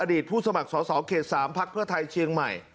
อดีตผู้สมัครสสเขต๓ภักดิ์เพื่อไทยเชียงใหม่